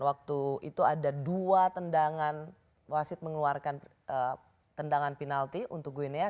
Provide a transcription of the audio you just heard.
waktu itu ada dua tendangan wasit mengeluarkan tendangan penalti untuk gwina